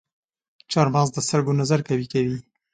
چارمغز د سترګو نظر قوي کوي.